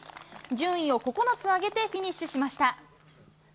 順位を９つ上げてフィニッシュしました。